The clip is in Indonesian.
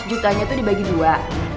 seratus juta nya itu dibagi dua